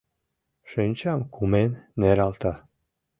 Шинчам кумен нералта.